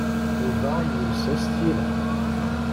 Yuba yules-as tira.